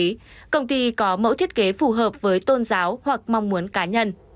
ông lưu ý công ty có mẫu thiết kế phù hợp với tôn giáo hoặc mong muốn cá nhân